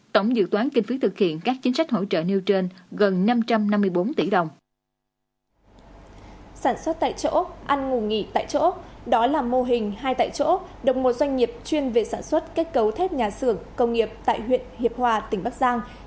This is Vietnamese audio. tổng dự toán kinh phí thực hiện các chính sách hỗ trợ nêu trên gần năm trăm năm mươi bốn tỷ đồng